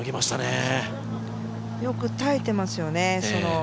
よく耐えていますよね。